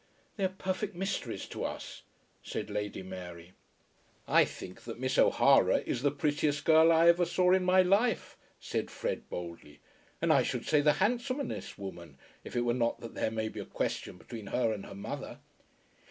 "They are perfect mysteries to us," said Lady Mary. "I think that Miss O'Hara is the prettiest girl I ever saw in my life," said Fred boldly, "and I should say the handsomest woman, if it were not that there may be a question between her and her mother."